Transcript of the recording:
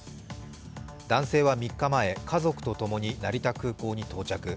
男性は３日前、家族と共に成田空港に到着。